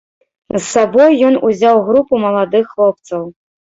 З сабой ён узяў групу маладых хлопцаў.